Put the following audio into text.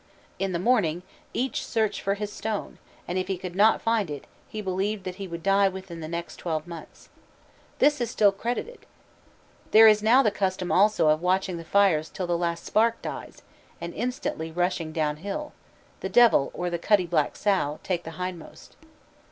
In the morning each searched for his stone, and if he could not find it, he believed that he would die within the next twelve months. This is still credited. There is now the custom also of watching the fires till the last spark dies, and instantly rushing down hill, "the devil (or the cutty black sow) take the hindmost."